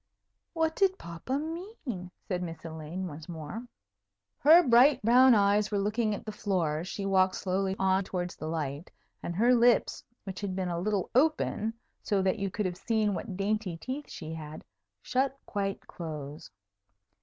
"What did papa mean?" said Miss Elaine, once more. Her bright brown eyes were looking at the floor as she walked slowly on towards the light, and her lips, which had been a little open so that you could have seen what dainty teeth she had, shut quite close.